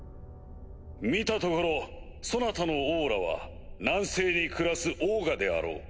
見たところそなたのオーラは南西に暮らすオーガであろう。